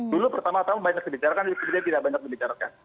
dulu pertama tahun banyak dibicarakan kemudian tidak banyak dibicarakan